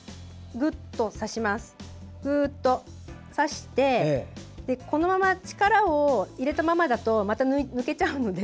ぐっと挿して、このまま力を入れたままだとまた抜けちゃうので。